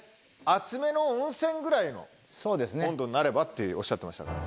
熱めの温泉ぐらいの温度になればっておっしゃってましたから。